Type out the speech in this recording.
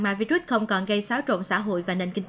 mà virus không còn gây xáo trộn xã hội